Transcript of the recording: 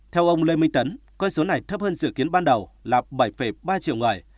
theo ông lê minh tấn con số này thấp hơn dự kiến ban đầu là bảy ba triệu người